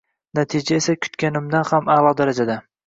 Natija esa kutganimdan ham aʼlo darajada.